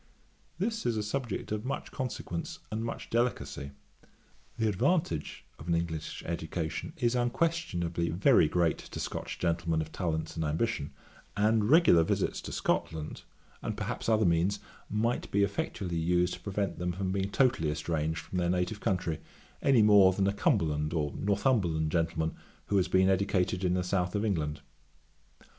This is a subject of much consequence, and much delicacy. The advantage of an English education is unquestionably very great to Scotch gentlemen of talents and ambition; and regular visits to Scotland, and perhaps other means, might be effectually used to prevent them from being totally estranged from their native country, any more than a Cumberland or Northumberland gentleman who has been educated in the South of England.